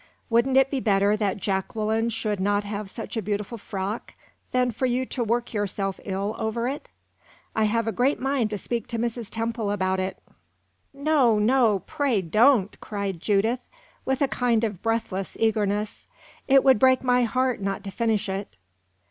"Wouldn't it be better that Jacqueline should not have such a beautiful frock, than for you to work yourself ill over it? I have a great mind to speak to Mrs. Temple about it." "No, no, pray don't!" cried Judith, with a kind of breathless eagerness. "It would break my heart not to finish it."